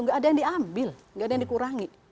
nggak ada yang diambil nggak ada yang dikurangi